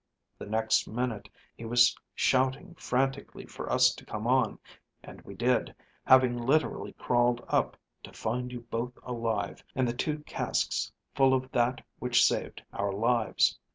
The next minute he was shouting frantically for us to come on, and we did, having literally crawled up, to find you both alive and the two casks full of that which saved our lives."